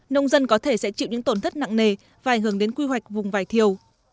nông dân có thể sẽ chịu những tổn thất nặng nề và ảnh hưởng đến quy hoạch vùng vải thiêu